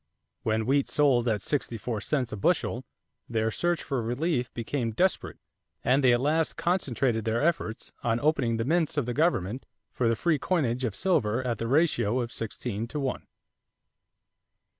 When wheat sold at sixty four cents a bushel, their search for relief became desperate, and they at last concentrated their efforts on opening the mints of the government for the free coinage of silver at the ratio of sixteen to one.